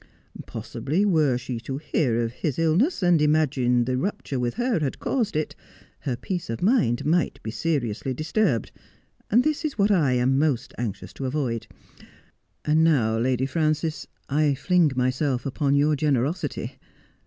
Possibly were she to hear of his illness, and imagine that the rupture with her had caused it, her peace of mind might be seriously disturbed, and this is what I am most anxious to avoid. And now, Lady Frances, I fling myself upon your generosity.